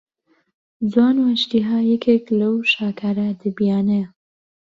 جوان و ئەژدیها یەکێک لەو شاکارە ئەدەبیانەیە